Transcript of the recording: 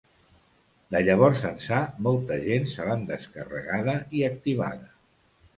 De llavors ençà, molta gent se l’han descarregada i activada.